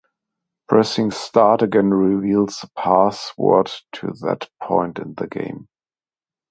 Pressing start again reveals the password to that point in the game.